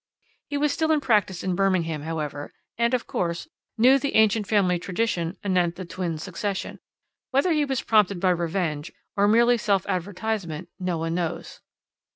"He was still in practice in Birmingham, however, and, of course, knew the ancient family tradition anent the twin succession. Whether he was prompted by revenge or merely self advertisement no one knows.